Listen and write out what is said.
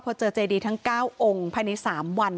พอเจอเจดีทั้ง๙องค์ภายใน๓วัน